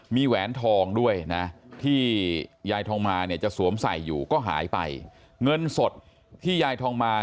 มีแหวนทองด้วยนะที่ยายทองมาเนี่ยจะสวมใส่อยู่ก็หายไปเงินสดที่ยายทองมา